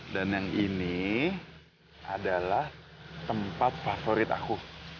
yang ini adalah tempat favorit aku